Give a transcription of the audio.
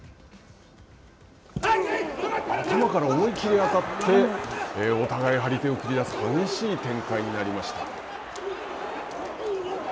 頭から思いきり当たってお互い張り手を繰り出す激しい展開になりました。